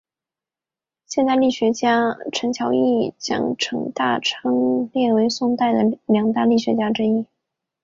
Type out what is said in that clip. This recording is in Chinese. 现代郦学家陈桥驿将程大昌列为宋代的两大郦学家之一。